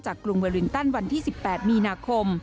กรุงเวอลินตันวันที่๑๘มีนาคม